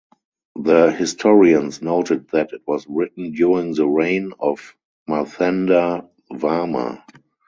The historians noted that it was written during the reign of Marthanda Varma.